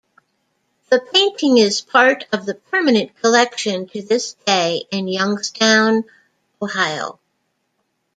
The painting is part of the permanent collection to this day in Youngstown, Ohio.